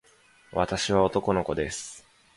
私は男の子です。